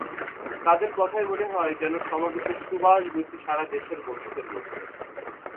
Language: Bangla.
তাঁদের কথায় মনে হয়, যেন সমাবেশের সুবাস বইছে সারা দেশের বন্ধুদের মধ্যে।